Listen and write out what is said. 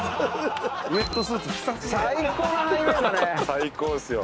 最高ですよ。